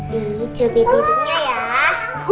di jepit hidupnya ya